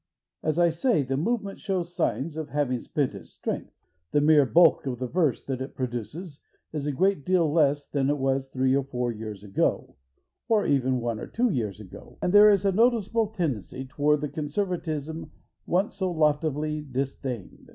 As I say, the movement shows signs of having spent its strength. The mere bulk of the verse that it produces is a great deal less than it was three or four years ago, or even one or two years ago, and there is a noticeable tendency toward the conservatism once so loftily disdained.